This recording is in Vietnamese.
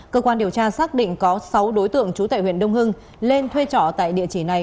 cơ quan điều tra xác định có sáu đối tượng chú tại huyện đông hương lên thuê trỏ tại địa chỉ này